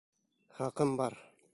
Хаҡым бар.